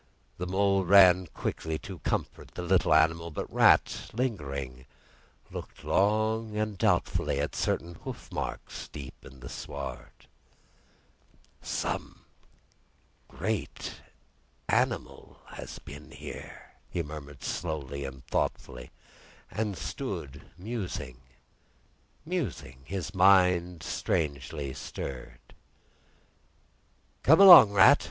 The Mole ran quickly to comfort the little animal; but Rat, lingering, looked long and doubtfully at certain hoof marks deep in the sward. "Some—great—animal—has been here," he murmured slowly and thoughtfully; and stood musing, musing; his mind strangely stirred. "Come along, Rat!"